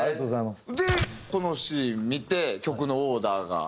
でこのシーン見て曲のオーダーが。